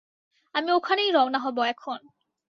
আমি ওখানেই রওনা হব এখন।